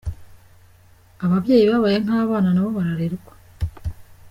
Ababyeyi babaye nk’abana na bo bararerwa.